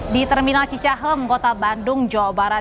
di terminal cicahem kota bandung jawa barat